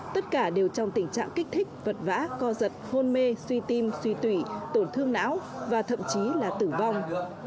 tất cả đều trong tình trạng kích thích vật vã co giật hôn mê suy tim suy tủy tổn thương não và thậm chí là tử vong